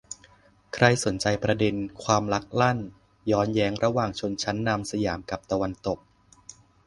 ใครสนใจประเด็นความลักลั่นย้อนแย้งระหว่างชนชั้นนำสยามกับตะวันตก